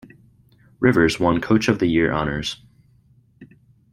Rivers won Coach of the Year honors.